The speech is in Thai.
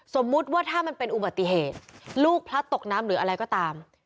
สมมุติว่าถ้ามันเป็นอุบัติเหตุลูกพลัดตกน้ำหรืออะไรก็ตาม